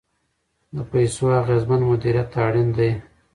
د پیسو اغیزمن مدیریت اړین دی.